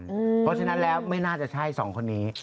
เพราะฉะนั้นแล้วไม่น่าจะใช่สองคนนี้